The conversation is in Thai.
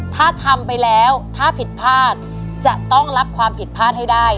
ถ้าทำไปแล้วถ้าผิดพลาดจะต้องรับความผิดพลาดให้ได้